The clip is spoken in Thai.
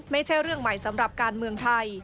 ไม่ใช่เรื่องใหม่สำหรับการเมืองไทย